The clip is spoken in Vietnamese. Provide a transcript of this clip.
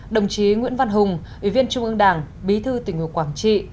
đồng chí nguyễn văn hùng ủy viên trung ương đảng bí thư tỉnh quảng trị